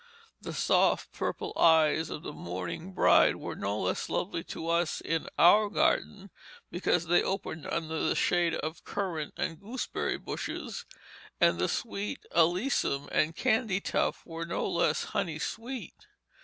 The soft, purple eyes of the mourning bride were no less lovely to us in "our garden" because they opened under the shade of currant and gooseberry bushes; and the sweet alyssum and candytuft were no less honey sweet.